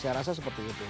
saya rasa seperti itu